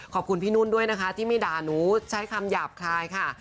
ขอบคุณพี่นุ่นด้วยนะคะที่ไม่ด่าหนูใช้คำหยาบคลายค่ะ